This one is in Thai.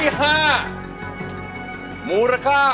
ร้องได้ร้องได้ร้องได้